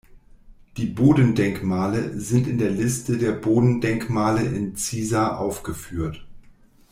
Die Bodendenkmale sind in der Liste der Bodendenkmale in Ziesar aufgeführt.